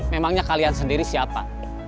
memangnya kalian sendiri siapa